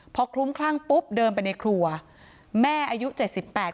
พอคลุ้มคลั่งปุ๊บเดินไปในครัวแม่อายุเจ็ดสิบแปด